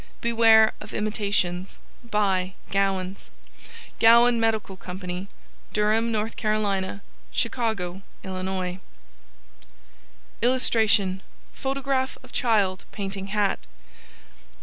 Beware of imitations. Buy Gowans. GOWAN MEDICAL CO., Durham, N. C. Chicago, ILL. [Illustration: Photograph of child painting hat.